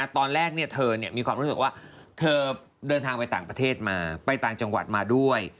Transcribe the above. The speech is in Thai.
ตอนแรกเธอมีความรู้สึกว่าเธอเดินทางไปต่างประเทศมาไปต่างจังหวัดมาด้วย